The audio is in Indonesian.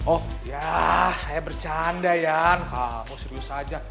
oh ya saya bercanda ya kamu serius aja